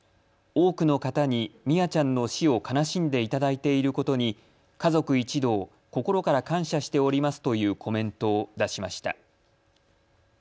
多くの方に心愛ちゃんの死を悲しんでいただいていることに家族一同、心から感謝しておりますというコメントを出しました。